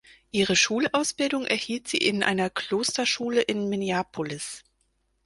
Ihre Schulausbildung erhielt sie in einer Klosterschule in Minneapolis.